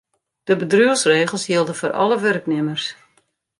De bedriuwsregels jilde foar alle wurknimmers.